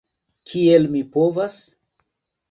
Kiel mi povas?